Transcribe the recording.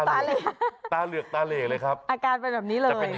ไหนก็ทำกัน